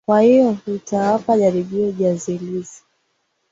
Kwa hiyo, nitawapa jaribio jazilizi.